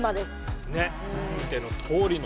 見てのとおりの。